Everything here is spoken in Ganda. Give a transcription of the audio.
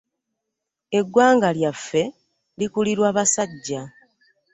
Eggwanga lyaffe likulirwa basajja.